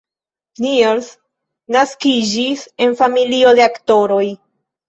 Niels naskiĝis en familio de aktoroj.